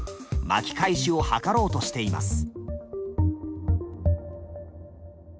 巻き返しを図ろうとしています。